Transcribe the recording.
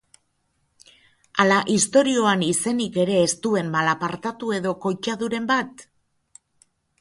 Ala istorioan izenik ere ez duen malapartatu edo koitaduren bat?